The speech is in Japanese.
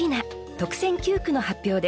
特選九句の発表です。